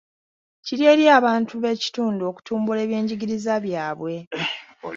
Kiri eri abantu b'ekitundu okutumbula ebyenjigiriza byabwe.